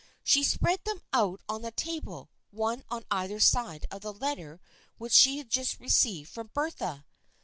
She spread them out on the table, one on either side of the letter which she had just received from Bertha.